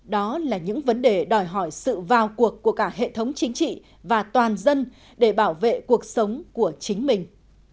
đó là những vấn đề đòi hỏi sự vào cuộc của cả hệ thống chính trị và toàn dân để bảo vệ cuộc sống của chính mình